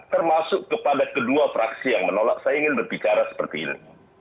termasuk kepada kedua fraksi yang menolak saya ingin berbicara seperti ini